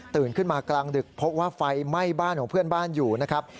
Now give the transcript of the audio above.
ขึ้นมากลางดึกพบว่าไฟไหม้บ้านของเพื่อนบ้านอยู่นะครับ